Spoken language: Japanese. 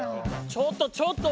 ちょっとちょっと！